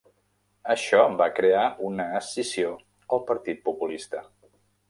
Això va crear una escissió al Partit Populista.